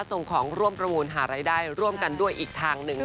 ส่งของร่วมประมูลหารายได้ร่วมกันด้วยอีกทางหนึ่ง